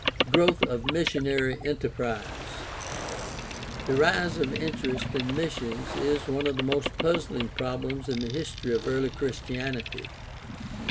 Growth of missionary enterprise. — The rise of interest in missions is one of the most puzzling problems in the history of early Christianity.